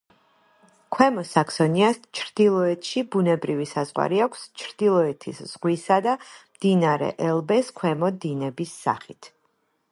ქვემო საქსონიას ჩრდილოეთში ბუნებრივი საზღვარი აქვს ჩრდილოეთის ზღვისა და მდინარე ელბეს ქვემო დინების სახით.